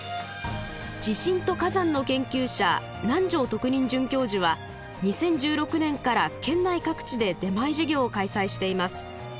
地震と火山の研究者楠城特任准教授は２０１６年から県内各地で出前授業を開催しています。